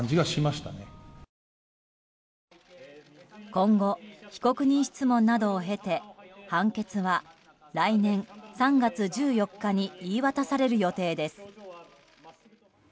今後、被告人質問などを経て判決は来年３月１４日に言い渡される予定です。